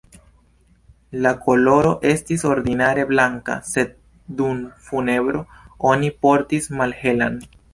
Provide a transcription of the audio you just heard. La koloro estis ordinare blanka, sed dum funebro oni portis malhelan.